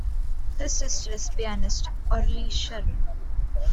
His sister is the pianist Orli Shaham.